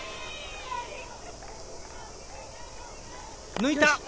抜いた。